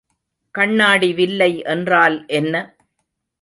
கண்ணாடி வில்லை என்றால் என்ன?